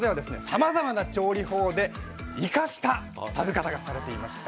さまざまな調理法で「イカ」した食べ方がされていました。